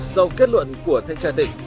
sau kết luận của thanh tra tỉnh